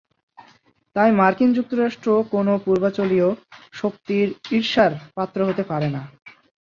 তাই মার্কিন যুক্তরাষ্ট্র কোনো পূর্বাঞ্চলীয় শক্তির ঈর্ষার পাত্র হতে পারে না।